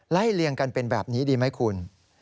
เลี่ยงกันเป็นแบบนี้ดีไหมคุณ